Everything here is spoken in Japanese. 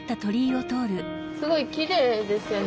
すごいきれいですよね！